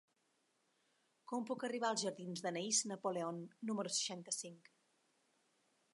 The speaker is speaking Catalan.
Com puc arribar als jardins d'Anaïs Napoleon número seixanta-cinc?